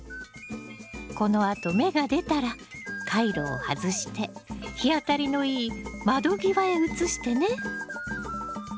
このあと芽が出たらカイロを外して日当たりのいい窓際へ移してね。